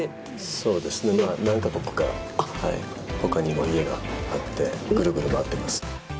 そうですね、何か国か、ほかにも家があって、ぐるぐる回ってます。